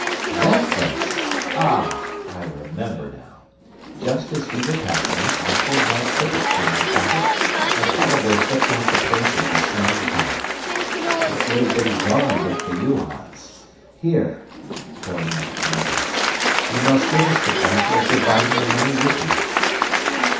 "That place! Ah, I remember now. Just as we were passing it I pulled my tippet from my pocket and probably flipped out the purse at the same time. It would have been gone but for you, Hans. Here" pouring out the contents "you must give us the pleasure of dividing the money with you."